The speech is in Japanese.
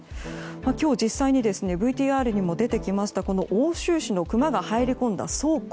今日実際にＶＴＲにも出てきました奥州市のクマが入り込んだ倉庫。